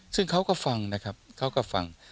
ซึ่งเขาก็ฟังนะครับเขาก็ฟัง